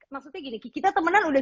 maksudnya gini kita temenan udah